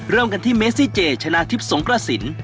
เริ่มกันที่เมซิเจชนะทิพย์สงกระสิน